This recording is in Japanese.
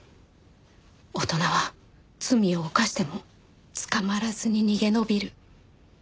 大人は罪を犯しても捕まらずに逃げ延びる。